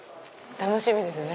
楽しみですね。